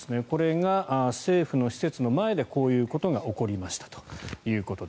これが政府の施設の前でこういうことが起こりました。